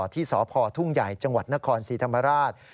ที่สพทุ่งใหญ่จนสีธรรมราช